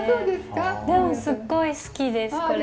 でもすっごい好きですこれ。